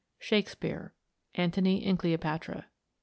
_Shakespere: "Antony and Cleopatra."